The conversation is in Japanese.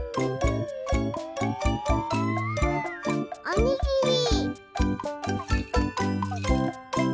おにぎり。